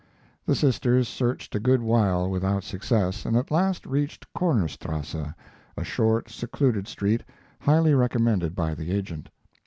The sisters searched a good while without success, and at last reached Kornerstrasse, a short, secluded street, highly recommended by the agent.